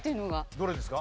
どれですか？